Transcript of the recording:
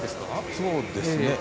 そうですね。